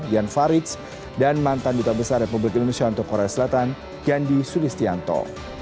jan faridz dan mantan duta besar republik indonesia untuk korea selatan gandhi sulistianto